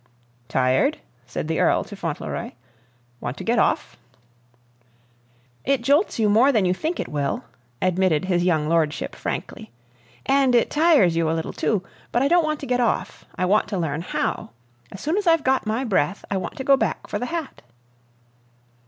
"Tired?" said the Earl to Fauntleroy. "Want to get off?" "It jolts you more than you think it will," admitted his young lordship frankly. "And it tires you a little, too; but I don't want to get off. I want to learn how. As soon as I've got my breath I want to go back for the hat."